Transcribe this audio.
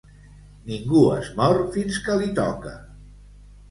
Ningú es mor fins que li toca.